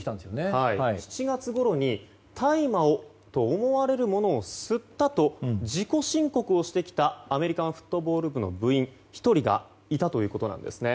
７月ごろに大麻と思われるものを吸ったと自己申告してきたアメリカンフットボール部の部員１人がいたということなんですね。